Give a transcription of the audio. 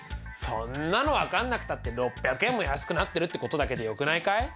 そんなの分かんなくたって６００円も安くなってるってことだけでよくないかい？